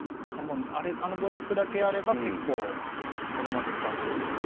あのブロックだけあれば結構、子どもずっと遊んでくれます。